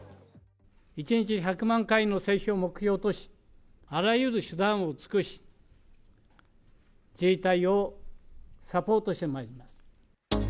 １日１００万回の接種を目標とし、あらゆる手段を尽くし、自治体をサポートしてまいります。